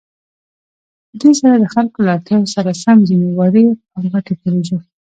په دې سره د خلكو له اړتياوو سره سم ځينې وړې او غټې پروژې